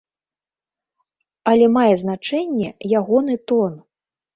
Але мае значэнне ягоны тон.